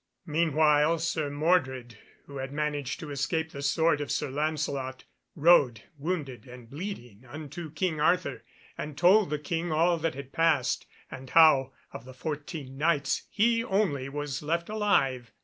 Meanwhile Sir Mordred, who had managed to escape the sword of Sir Lancelot, rode, wounded and bleeding, unto King Arthur, and told the King all that had passed, and how, of the fourteen Knights, he only was left alive.